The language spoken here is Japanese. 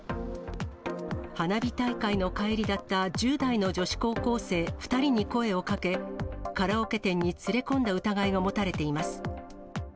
花火大会の帰りだった１０代の女子高校生２人に声をかけ、カラオケ店に連れ込んだ疑いが持たれています。